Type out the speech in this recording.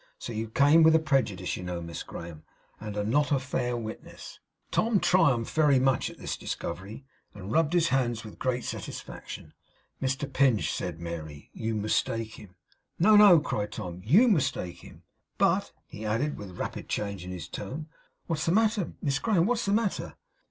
So you came with a prejudice, you know, Miss Graham, and are not a fair witness.' Tom triumphed very much in this discovery, and rubbed his hands with great satisfaction. 'Mr Pinch,' said Mary, 'you mistake him.' 'No, no!' cried Tom. 'YOU mistake him. But,' he added, with a rapid change in his tone, 'what is the matter? Miss Graham, what is the matter?